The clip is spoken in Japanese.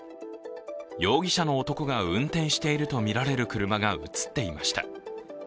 容疑者の男が運転しているとみられる車が映っていました。